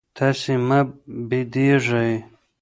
تاسي مه بېدېږئ.